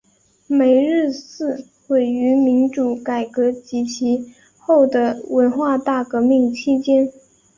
梅日寺毁于民主改革及其后的文化大革命期间。